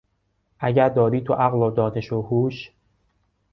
اگر داری تو عقل و دانش و هوش...